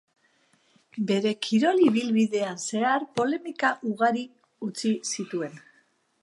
Bere kirol ibilbidean zehar polemika ugari utzi zituen.